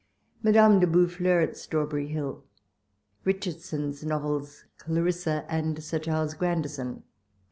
101 ilADAME DE BOVFFLKUS AT STRAWBERRY UILL RICHARDSO.WS XOVELS. " CLARISSA " AXD "SIR CHARLES GRAyVISOX."